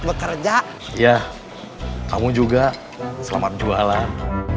bekerja ya kamu juga selamat jualan